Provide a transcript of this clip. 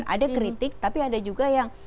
ada kritik tapi ada juga yang